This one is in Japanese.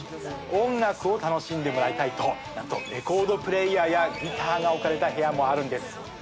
音楽を楽しんでもらいたいと、なんとレコードプレーヤーやギターが置かれた部屋もあるんです。